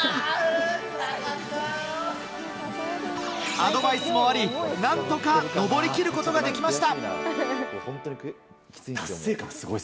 アドバイスもあり、何とか登りきることができました！